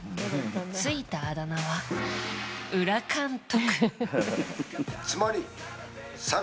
ついたあだ名は、裏監督。